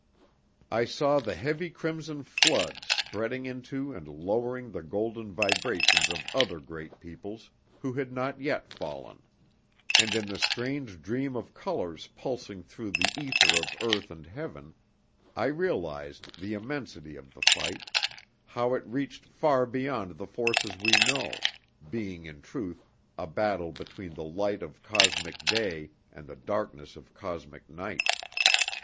I saw the heavy crimson flood spreading into and lowering the golden vibrations of other great peoples, who had not yet fallen; and in the strange dream of colors pulsing through the ether of earth and heaven, I realized the immensity of the fight; how it reached far beyond the forces we know, being in truth a battle between the light of cosmic day and the darkness of cosmic night.